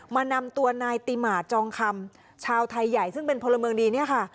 นำตัวนายติหมาจองคำชาวไทยใหญ่ซึ่งเป็นพลเมืองดีเนี่ยค่ะ